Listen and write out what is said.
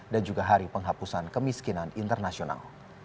dan juga hari penghapusan kemiskinan internasional